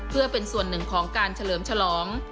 เพื่อเป็นส่วนหนึ่งของการเฉลิมฉลอง